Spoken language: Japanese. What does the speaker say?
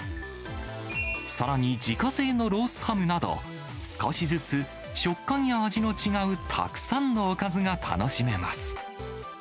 さらに自家製のロースハムなど、少しずつ食感や味の違うたくさんのおかずが楽しめます。